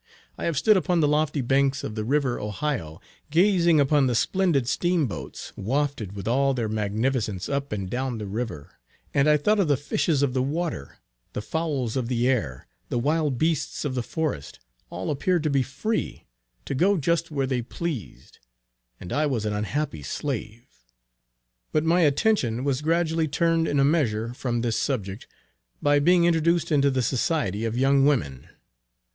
I have stood upon the lofty banks of the river Ohio, gazing upon the splendid steamboats, wafted with all their magnificence up and down the river, and I thought of the fishes of the water, the fowls of the air, the wild beasts of the forest, all appeared to be free, to go just where they pleased, and I was an unhappy slave! But my attention was gradually turned in a measure from this subject, by being introduced into the society of young women.